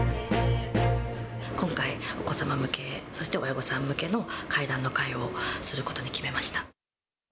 今回、お子様向け、そして親御さん向けの怪談の会をすることに決めました。